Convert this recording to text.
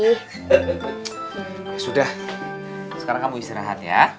eh sudah sekarang kamu istirahat ya